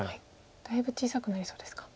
だいぶ小さくなりそうですか。